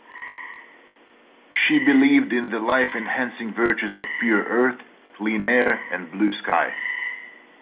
She believed in the life-enhancing virtues of pure earth, clean air and blue sky.